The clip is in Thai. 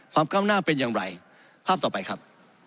ความก้าวหน้าเป็นอย่างไรภาพต่อไปครับ